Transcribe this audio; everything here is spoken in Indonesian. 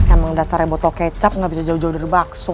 emang dasarnya botol kecap gak bisa jauh jauh dari bakso